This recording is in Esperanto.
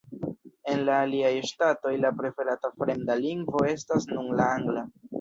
En la aliaj ŝtatoj, la preferata fremda lingvo estas nun la angla.